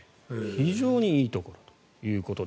非常にいいところと。